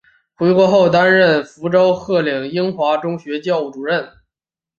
回国后担任福州鹤龄英华中学校务主任。